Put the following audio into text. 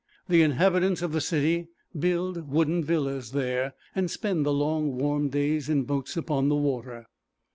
The inhabitants of the city build wooden villas there, and spend the long warm days in boats upon the water.